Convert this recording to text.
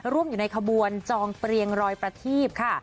ร่วมอยู่ในขบวนจองเปรียงรอยประทีบค่ะ